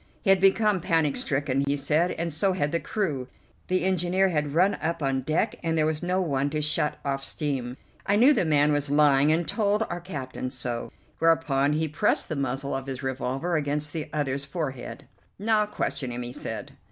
He had become panic stricken, he said, and so had the crew. The engineer had run up on deck, and there was no one to shut off steam. I knew the man was lying, and told our captain so, whereupon he pressed the muzzle of his revolver against the other's forehead. "Now question him," he said.